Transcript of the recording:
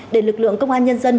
để lực lượng công an nhân dân